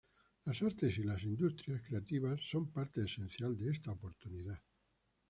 Las artes y las industrias creativas son parte esencial de esta oportunidad.